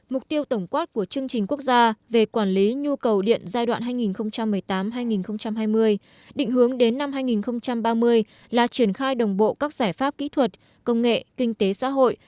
mục tiêu tổng quát của chương trình quốc gia về quản lý nhu cầu điện giai đoạn hai nghìn một mươi tám hai nghìn hai mươi định hướng đến năm hai nghìn ba mươi là triển khai đồng bộ các giải pháp kỹ thuật công nghệ kinh tế xã hội